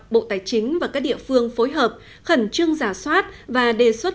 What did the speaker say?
bộ tài chính và các địa phương phối hợp khẩn trương giả soát và đề xuất